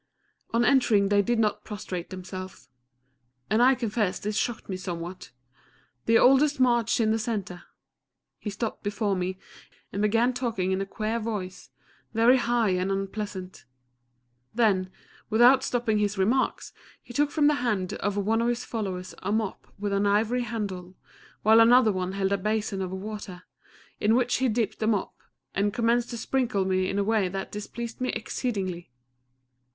On entering they did not prostrate themselves and I confess this shocked me somewhat! The oldest marched in the centre. He stopped before me, and began talking in a queer voice, very high and unpleasant; then, without stopping his remarks, he took from the hand of one of his followers a mop with an ivory handle, while another one held a basin of water, in which he dipped the mop, and commenced to sprinkle me in a way that displeased me exceedingly.